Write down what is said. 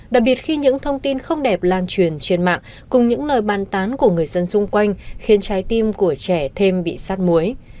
đặc biệt khi những thông tin không đẹp lan truyền trên mạng cùng những lời bàn tán của người dân xung quanh khiến trái tim của trẻ thêm bị sát muối